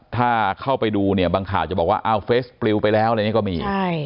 ถ้าเข้าไปดูเนี่ยบางข่าวจะบอกว่าอ้าวเฟสปลิวไปแล้วอะไรอย่างนี้ก็มี